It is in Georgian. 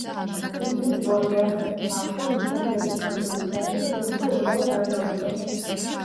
ჩვიდმეტ წლამდე ასაკის ბავშვებს მშობლების თანხლების გარეშე ფილმზე უბრალოდ არ დაუშვებენ.